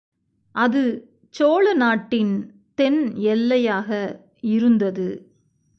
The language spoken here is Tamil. அது சோழ நாட்டின் தென் எல்லையாக இருந்தது.